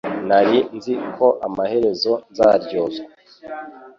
Nari nzi ko amaherezo nzaryozwa